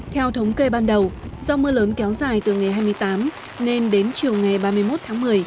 theo thống kê ban đầu do mưa lớn kéo dài từ ngày hai mươi tám nên đến chiều ngày ba mươi một tháng một mươi